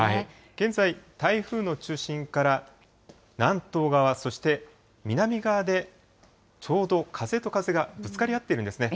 現在、台風の中心から南東側、そして南側でちょうど風と風がぶつかり合っているんですね。